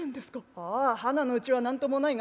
「ああはなのうちは何ともないがな